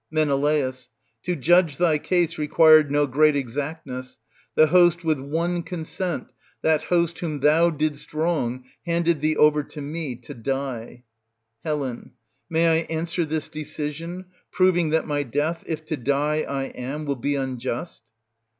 Men. To judge thy case required no great exactness;^ the host with one consent, — ^that host whom thou didst wrong, — handed thee over to me to die. Hel. May I answer this decision, proving that my death, if to die I am, will be unjust